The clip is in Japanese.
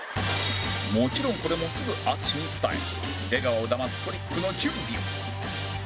もちろんこれもすぐ淳に伝え出川をだますトリックの準備を